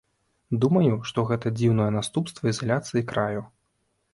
Думаю, што гэта дзіўнае наступства ізаляцыі краю.